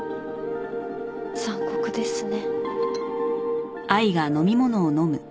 残酷ですね。